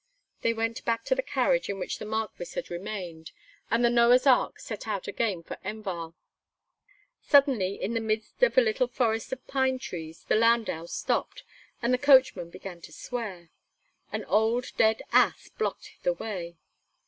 They went back to the carriage in which the Marquis had remained, and the Noah's Ark set out again for Enval. Suddenly, in the midst of a little forest of pine trees the landau stopped, and the coachman began to swear. An old dead ass blocked the way.